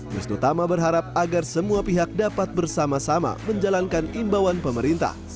wisnu tama berharap agar semua pihak dapat bersama sama menjalankan imbauan pemerintah